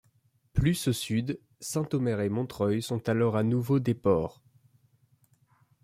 Plus au sud, Saint-Omer et Montreuil sont alors à nouveau des ports.